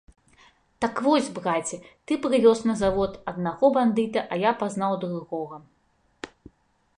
Так вось, браце, ты прывёз на завод аднаго бандыта, а я пазнаў другога.